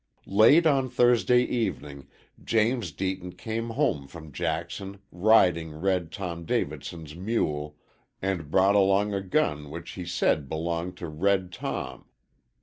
Late on Thursday evening James Deaton came home from Jackson riding "Red Tom" Davidson's mule, and brought along a gun which he said belonged to Red Tom.